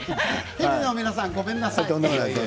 テレビの皆さん、ごめんなさい。